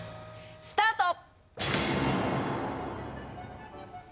スタート！